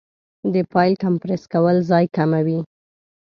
د فایل کمپریس کول ځای کموي.